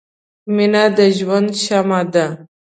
• مینه د ژوند شمعه ده.